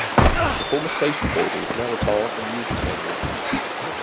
The former station building is now a bar and music venue.